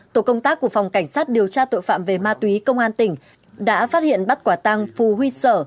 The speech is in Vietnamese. tổ công tác của phòng cảnh sát điều tra tội phạm về ma túy công an tỉnh đã phát hiện bắt quả tăng phù huy sở